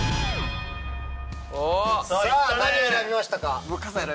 さぁ何を選びましたか？